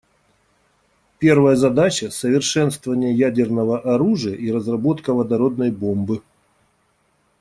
Первая задача — совершенствование ядерного оружия и разработка водородной бомбы.